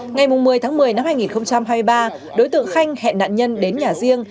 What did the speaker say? ngày một mươi tháng một mươi năm hai nghìn hai mươi ba đối tượng khanh hẹn nạn nhân đến nhà riêng